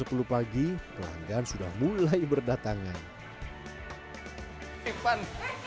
pagi pagi pelanggan sudah mulai berdatangan